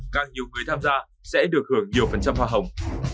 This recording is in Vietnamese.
càng nhiều người tham gia sẽ được hưởng nhiều phần trăm hoa hồng